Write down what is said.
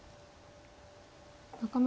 仲邑